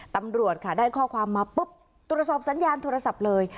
ตำรวจค่ะได้ข้อความมาปุ๊บตรวจสอบสัญญาณโทรศัพท์เลย